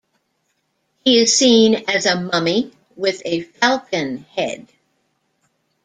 He is seen as a mummy with a falcon head.